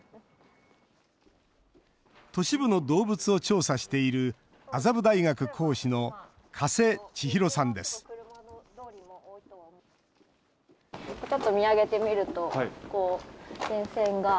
都市部の動物を調査している麻布大学講師の加瀬ちひろさんです。